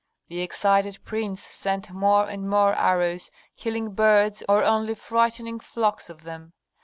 The excited prince sent more and more arrows, killing birds or only frightening flocks of them.